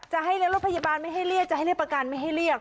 จะให้เรียกรถพยาบาลไม่ให้เรียกจะให้เรียกประกันไม่ให้เรียก